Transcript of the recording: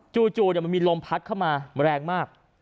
จู่มันมีลมพัดเข้ามาแรงมาก